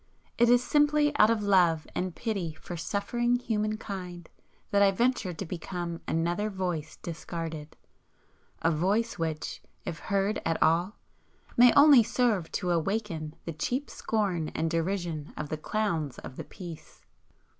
It is simply out of love and pity for suffering human kind that I venture to become another Voice discarded a voice which, if heard at all, may only serve to awaken the cheap scorn and derision of the clowns of the piece.